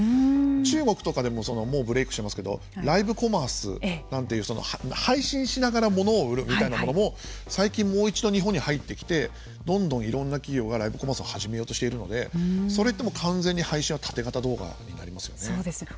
中国とかでもブレークしてますけどライブコマースなんていう配信しながらものを得るみたいなものも最近もう一度日本に入ってきてどんどんいろんな企業がライブコマースを始めようとしているのでそれでも完全にタテ型動画になりますよね。